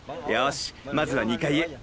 よしまずは２階へ。